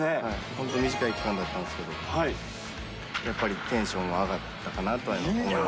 本当に短い期間だったんですけど、やっぱりテンションが上がったかなとは思います。